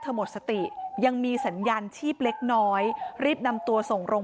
หมดสติยังมีสัญญาณชีพเล็กน้อยรีบนำตัวส่งโรง